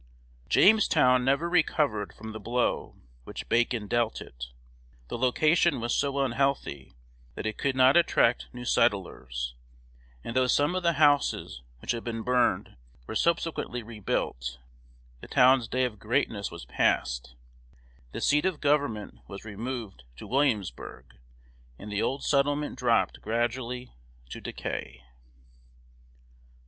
Jamestown never recovered from the blow which Bacon dealt it. The location was so unhealthy that it could not attract new settlers, and though some of the houses which had been burned were subsequently rebuilt, the town's day of greatness was past. The seat of government was removed to Williamsburg, and the old settlement dropped gradually to decay.